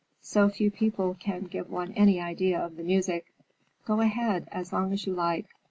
So few people can give one any idea of the music. Go ahead, as long as you like.